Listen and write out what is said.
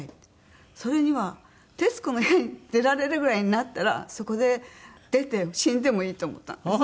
それには『徹子の部屋』に出られるぐらいになったらそこで出て死んでもいいと思ったんです。